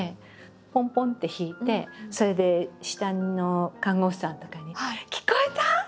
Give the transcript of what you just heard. ぽんぽんって弾いてそれで下の看護婦さんとかに「聞こえた？」とか。